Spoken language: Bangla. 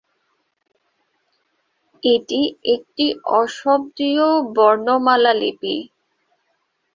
এটি একটি অশব্দীয় বর্ণমালা লিপি।